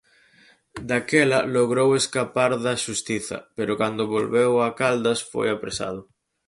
Daquela logrou escapar da xustiza, pero cando volveu a Caldas foi apresado.